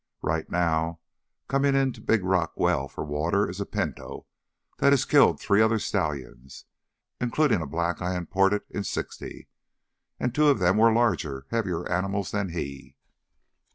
Right now, coming into Big Rock well for water is a pinto that has killed three other stallions—including a black I imported back in '60—and two of them were larger, heavier animals than he.